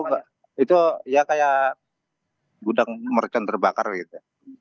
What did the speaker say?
oh nggak itu ya kayak gudang merchan terbakar gitu